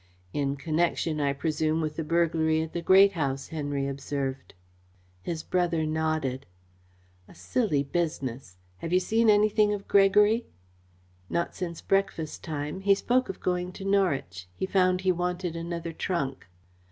"In connection, I presume, with the burglary at the Great House," Henry observed. His brother nodded. "A silly business! Have you seen anything of Gregory?" "Not since breakfast time. He spoke of going to Norwich. He found he wanted another trunk."